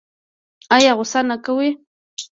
ایا غوسه نه کوي؟